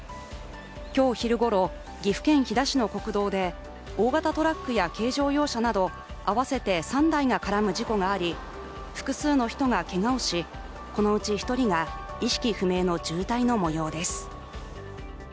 今日昼ごろ、岐阜県飛騨市の国道で大型トラックや軽乗用車など合わせて３台が絡む事故があり複数の人がけがをし、このうち１人が意識不明の重体のもようです。